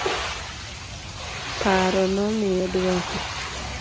Paro nomiye duoko.